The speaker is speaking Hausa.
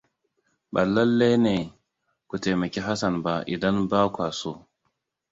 Ba lallai ne ku taimaki Hassan ba idan ba kwa so.